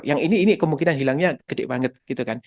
yang ini kemungkinan hilangnya gede banget gitu kan